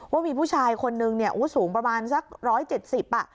ว่ามีผู้ชายคนนึงสูงประมาณสักร้อยเจ็ดสิบ